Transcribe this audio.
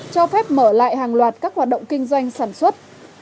cho phép mở lại hàng loạt các hoạt động kinh doanh sản xuất